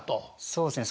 そうですね。